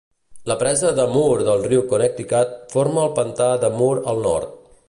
La presa de Moore del riu Connecticut forma el pantà de Moore al nord.